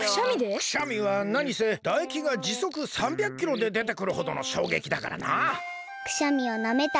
くしゃみはなにせだえきがじそく３００キロででてくるほどのしょうげきだからな。